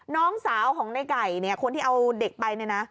น้องสาวของนายไก่คนที่เอาเด็กไปนี่นะ